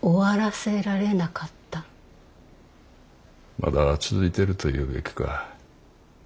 まだ続いているというべきか。